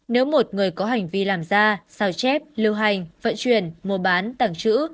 nếu một người có hành vi làm ra sao chép lưu hành vận chuyển mua bán tảng chữ